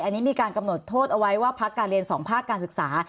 อันนี้มีการกำหนดโทษเอาไว้ว่าพักการเรียน๒ภาคการศึกษา